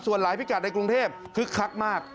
ส่วนหลายพิกัดในกรุงเทพคึกคักมาก